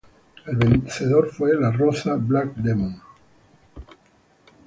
El vencedor fue Las Rozas Black Demons.